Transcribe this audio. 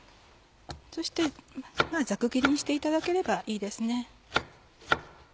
そしてざく切りにしていただければいいですね。